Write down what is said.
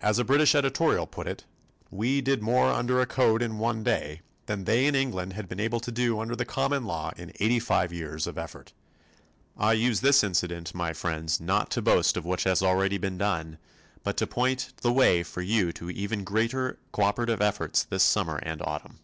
As a British editorial put it, we did more under a Code in one day than they in England had been able to do under the common law in eighty five years of effort. I use this incident, my friends, not to boast of what has already been done but to point the way to you for even greater cooperative efforts this summer and autumn.